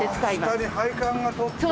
下に配管が通ってるんだ。